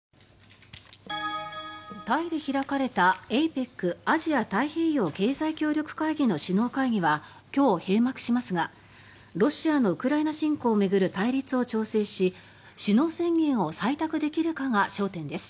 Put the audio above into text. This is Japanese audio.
タイで開かれたＡＰＥＣ・アジア太平洋経済協力会議の首脳会議は今日、閉幕しますがロシアのウクライナ侵攻を巡る対立を調整し首脳宣言を採択できるかが焦点です。